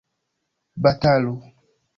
batalu